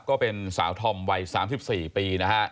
ก็เป็นสาวธอมวัย๓๔ปีนะฮะ